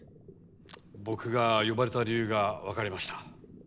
僕が呼ばれた理由が分かりました。